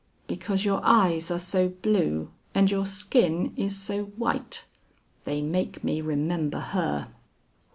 "Because your eyes are so blue and your skin is so white; they make me remember her!"